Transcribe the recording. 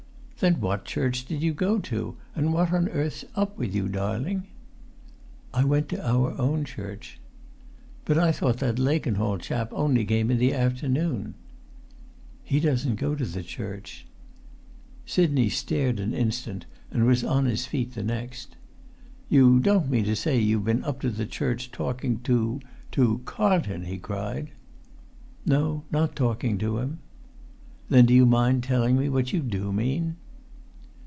"Then what church did you go to, and what on earth's up with you, darling?" "I went to our own church." "But I thought that Lakenhall chap only came in the afternoon?" "He doesn't go to the church." Sidney stared an instant, and was on his feet the next. "You don't mean to say you've been up to the church talking to—to Carlton?" he cried. "No, not talking to him." "Then do you mind telling me what you do mean?"